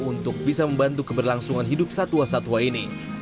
untuk bisa membantu keberlangsungan hidup satwa satwa ini